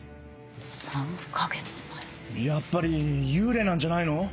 やっぱり幽霊なんじゃないの？